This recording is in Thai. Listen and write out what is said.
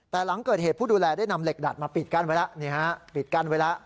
แต่หลังเกิดเหตุผู้ดูแลได้นำเหล็กดัดมาปิดกั้นไว้แล้ว